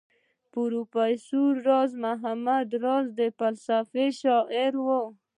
پروفیسر راز محمد راز فلسفي شاعر وو.